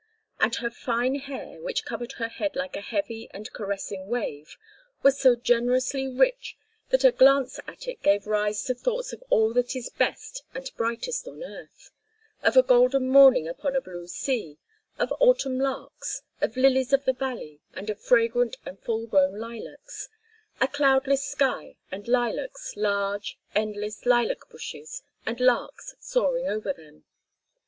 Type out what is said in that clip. And her fine hair, which covered her head like a heavy and caressing wave, was so generously rich that a glance at it gave rise to thoughts of all that is best and brightest on earth: of a golden morning upon a blue sea, of Autumn larks, of lilies of the valley and of fragrant and full grown lilacs—a cloudless sky and lilacs, large, endless lilac bushes, and larks soaring over them.